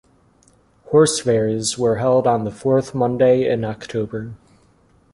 Horse fairs were held on the Fourth Monday in October.